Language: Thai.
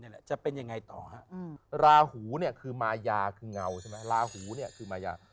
แล้วจะเป็นยังไงต่อราหูคือมายาคืองเงา